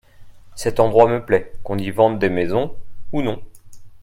Cet endroit me plait, qu'on y vende des maisons ou non.